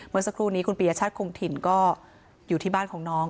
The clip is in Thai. เมื่อสักครู่นี้คุณปียชาติคงถิ่นก็อยู่ที่บ้านของน้อง